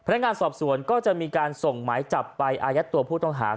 นักงานสอบสวนก็จะมีการส่งหมายจับไปอายัดตัวผู้ต้องหา